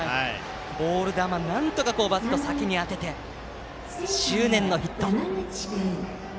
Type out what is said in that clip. ボール球、なんとかバットの先に当てた執念のヒット。